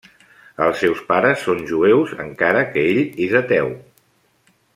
Els seus pares són jueus, encara que ell és ateu.